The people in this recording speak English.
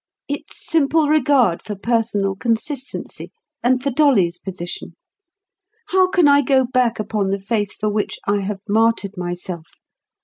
It's simple regard for personal consistency, and for Dolly's position. How can I go back upon the faith for which I have martyred myself?